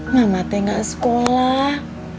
mama teh gak sekolah